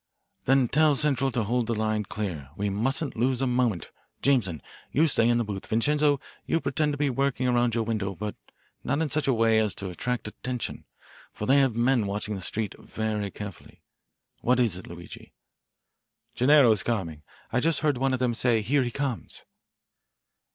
"Then tell central to hold the line clear we mustn't lose a moment. Jameson, you stay in the booth. Vincenzo, you pretend to be working around your window, but not in such a way as to attract attention, for they have men watching the street very carefully. What is it, Luigi?" "Gennaro is coming. I just heard one of them say, 'Here he comes.'"